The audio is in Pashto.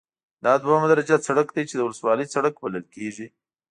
دا دوهمه درجه سرک دی چې د ولسوالۍ سرک بلل کیږي